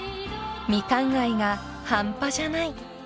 ［ミカン愛が半端じゃない］